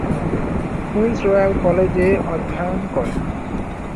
Queen's Royal কলেজে অধ্যয়ন করেন।